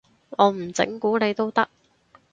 我唔整蠱你都得